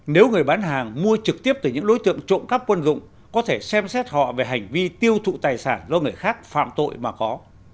nếu người bán hàng mua trực tiếp từ những đối tượng trộm cắp quân dụng có thể xem xét họ về hành vi tiêu thụ tài sản do người khác phạm tội mà có